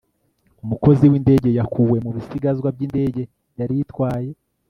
umukozi w'indege yakuwe mu bisigazwa by'indege yari itwaye